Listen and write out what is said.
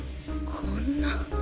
こんな。